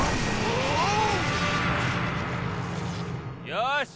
よし！